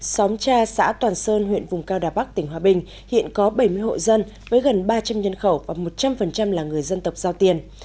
xóm cha xã toàn sơn huyện vùng cao đà bắc tỉnh hòa bình hiện có bảy mươi hộ dân với gần ba trăm linh nhân khẩu và một trăm linh là người dân tộc giao tiền